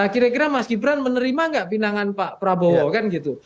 kira kira mas gibran menerima nggak pinangan pak prabowo kan gitu